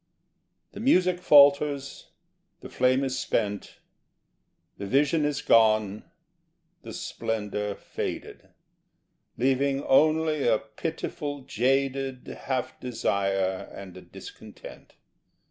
The music falters; the flame is spent; The vision is gone, the splendour faded, Leaving only a pitiful jaded Half desire, and a discontent.